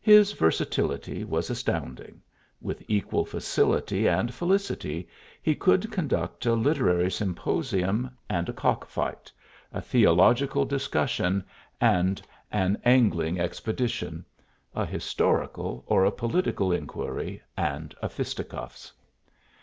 His versatility was astounding; with equal facility and felicity he could conduct a literary symposium and a cock fight, a theological discussion and an angling expedition, a historical or a political inquiry and a fisticuffs.